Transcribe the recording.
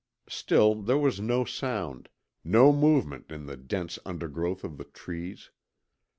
Still there was no sound, no movement in the dense overgrowth of the trees.